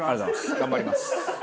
頑張ります。